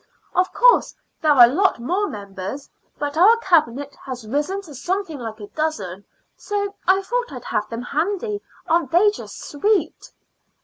Of course there are a lot more members, but our Cabinet has risen to something like a dozen, so I thought I'd have them handy. Aren't they just sweet?"